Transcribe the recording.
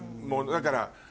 だから。